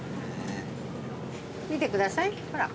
見てくださいほら。